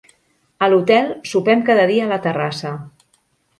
A l'hotel sopem cada dia a la terrassa.